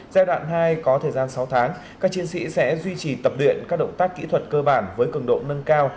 giai đoạn hai có thời gian sáu tháng các chiến sĩ sẽ duy trì tập luyện các động tác kỹ thuật cơ bản với cường độ nâng cao